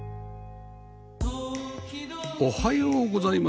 おはようございます。